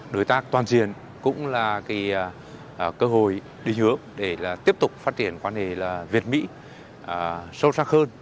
đối tác toàn diện cũng là cơ hội định hướng để tiếp tục phát triển quan hệ việt mỹ sâu sắc hơn